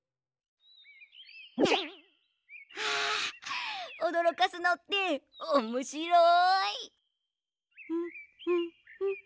あおどろかすのっておもしろい！